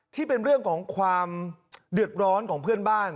ที่เป็นเรื่องของความเดือดร้อนของเพื่อนบ้าน